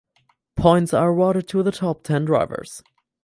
Points are awarded to the top ten drivers.